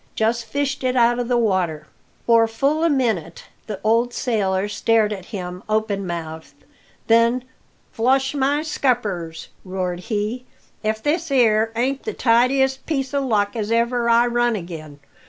Just fished it out of the water." For full a minute the old sailor stared at him open mouthed. Then: "Flush my scuppers," roared he, "if this 'ere ain't the tidiest piece o' luck as ever I run agin.